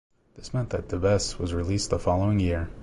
This meant that Debes was released the following year.